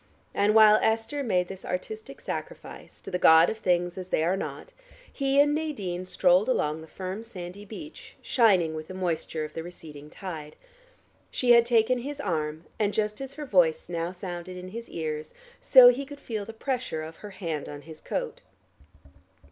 And while Esther made this artistic sacrifice to the god of things as they are not, he and Nadine strolled along the firm sandy beach, shining with the moisture of the receding tide. She had taken his arm, and just as her voice now sounded in his ears, so he could feel the pressure of her hand on his coat.